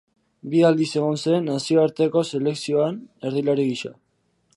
Bi aldiz egon zen nazioarteko selekzioan, erdilari gisa.